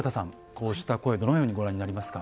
こうした声どのようにご覧になりますか？